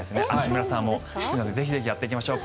皆さんも堤さんもぜひぜひやっていきましょう。